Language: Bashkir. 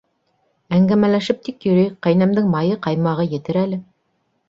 Әңгәмәләшеп тик йөрөйөк, ҡәйнәмдең майы, ҡаймағы етер әле.